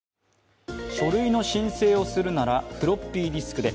書類の申請をするならフロッピーディスクで。